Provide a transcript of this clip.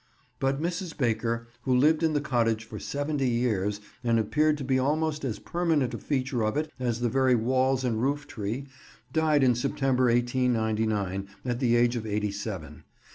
But Mrs. Baker, who lived in the cottage for seventy years and appeared to be almost as permanent a feature of it as the very walls and roof tree, died in September 1899, at the age of eighty seven.